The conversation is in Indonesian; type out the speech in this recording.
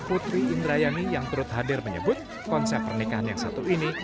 putri indrayani yang turut hadir menyebut konsep pernikahan yang satu ini